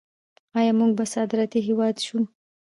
آیا موږ به صادراتي هیواد شو؟